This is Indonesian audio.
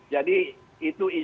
jadi itu isinya